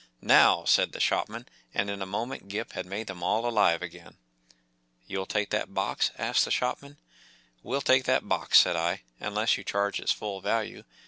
“ Now,” said the shopman, and in a moment Gip had made them all alive again. “ You’ll take that box ? ” asked the shop¬ man. “ We’ll take that box,’’ said I, “ unless you charge its full value.